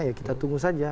ya kita tunggu saja